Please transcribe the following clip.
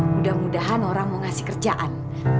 mudah mudahan orang mau ngasih kerjaan